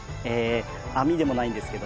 網でもないんですけども。